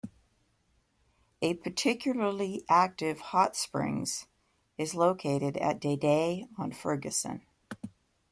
A particularly active hot springs is located at Deidei on Fergusson.